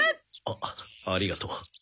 あありがとう。